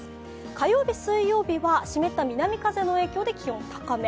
火曜日、水曜日は湿った南風の影響で気温、高め。